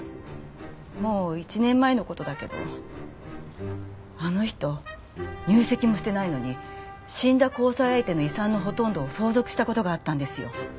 もう１年前の事だけどあの人入籍もしてないのに死んだ交際相手の遺産のほとんどを相続した事があったんですよ。